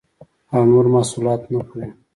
او نور محصولات نه خوري